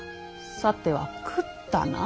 さては食ったな。